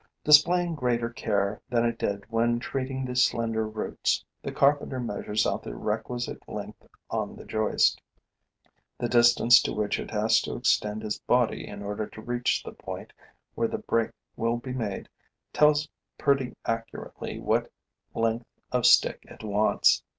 Displaying greater care than it did when treating the slender roots, the carpenter measures out the requisite length on the joist. The distance to which it has to extend its body in order to reach the point where the break will be made tells it pretty accurately what length of stick it wants.